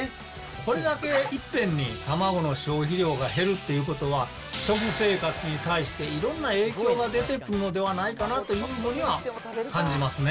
これだけいっぺんに卵の消費量が減るっていうことは、食生活に対していろんな影響が出てくるのではないかなというのには感じますね。